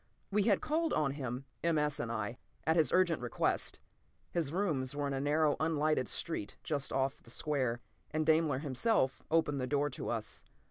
We had called on him, M. S. and I, at his urgent request. His rooms were in a narrow, unlighted street just off the square, and Daimler himself opened the door to us.